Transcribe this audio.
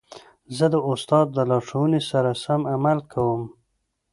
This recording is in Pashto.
زه د استاد د لارښوونو سره سم عمل کوم.